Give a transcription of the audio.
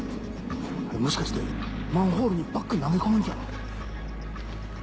もしかしてマンホールにバッグ投げ込むんじゃ！？